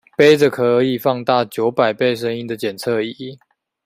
揹著可以放大九百倍聲音的檢測儀